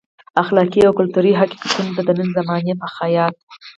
اخلاقي او کلتوري حقیقتونو ته د نن زمانې په خیاط.